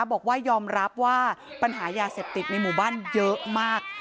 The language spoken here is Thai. บอกว่ายอมรับว่าปัญหายาเสพติดในหมู่บ้านเยอะมาก